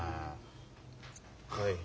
はい。